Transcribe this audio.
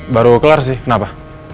baru kelar sih kenapa